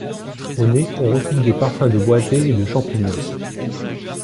Au nez, on retrouve des parfums de boisé et de champignon.